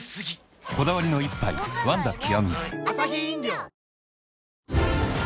こだわりの一杯「ワンダ極」